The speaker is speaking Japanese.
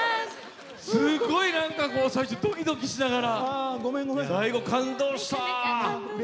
すごい最初、ドキドキしながら最後感動した。